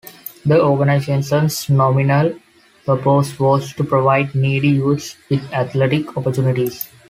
The organization's nominal purpose was to provide needy youths with athletic opportunities.